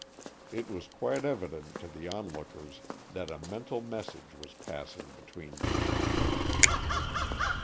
It was quite evident to the onlookers that a mental message was passing between these two.